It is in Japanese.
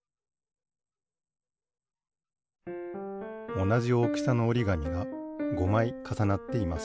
おなじおおきさのおりがみが５まいかさなっています。